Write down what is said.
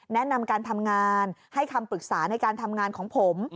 แนะนำการทำงานให้คำปรึกษาในการทำงานของผม